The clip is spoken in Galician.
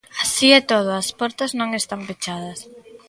Así e todo, as portas non están pechadas.